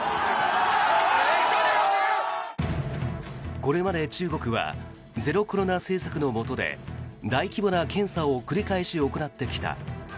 これまで中国はゼロコロナ政策のもとで大規模な検査を繰り返し行ってきた。